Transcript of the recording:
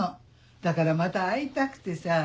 だからまた会いたくてさぁ。